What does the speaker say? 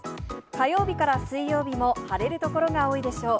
火曜日から水曜日も晴れる所が多いでしょう。